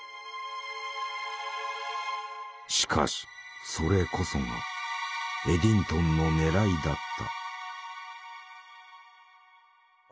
しかしそれこそがエディントンのねらいだった。